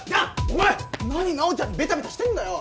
何奈緒ちゃんにベタベタしてんだよ！